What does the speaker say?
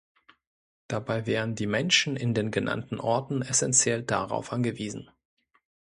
Dabei wären die Menschen in den genannten Orten essentiell darauf angewiesen.